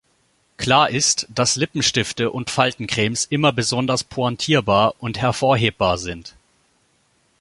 Klar ist, dass Lippenstifte und Faltencremes immer besonders pointierbar und hervorhebbar sind.